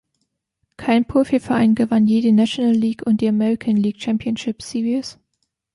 Kein Profiverein gewann je die National League und die American League Championship Series.